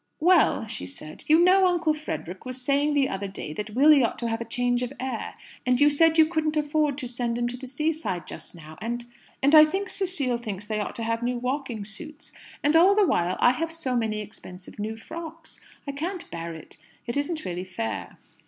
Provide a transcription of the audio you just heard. "Well," she said, "you know Uncle Frederick was saying the other day that Willy ought to have change of air; and you said you couldn't afford to send him to the seaside just now; and and I think Cecile thinks they ought to have new walking suits; and all the while I have so many expensive new frocks. I can't bear it. It isn't really fair."